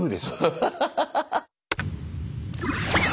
ハハハハハ！